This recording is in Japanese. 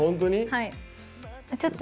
はい。